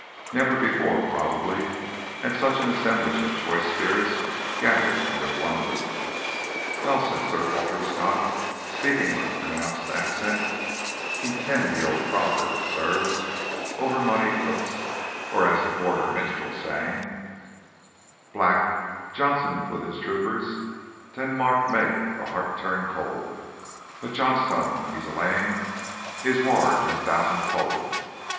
Never before, probably, had such an assemblage of choice spirits gathered under one roof. "Well," said Sir Walter Scott, speaking with a pronounced accent, "ye ken the auld proverb, sirs, 'Ower mony cooks,' or as the Border minstrel sang 'Black Johnstone wi' his troopers ten Might mak' the heart turn cauld, But Johnstone when he's a' alane Is waur ten thoosand fauld.